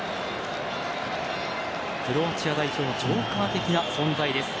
クロアチア代表のジョーカー的な存在です。